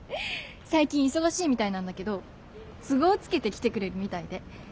最近忙しいみたいなんだけど都合つけて来てくれるみたいで。